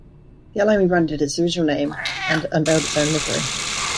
The airline rebranded as its original name and unveiled its own livery.